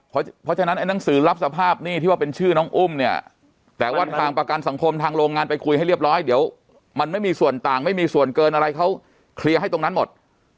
เพราะฉะนั้นไอ้หนังสือรับสภาพหนี้ที่ว่าเป็นชื่อน้องอุ้มเนี่ยแต่ว่าทางประกันสังคมทางโรงงานไปคุยให้เรียบร้อยเดี๋ยวมันไม่มีส่วนต่างไม่มีส่วนเกินอะไรเขาเคลียร์ให้ตรงนั้นหมด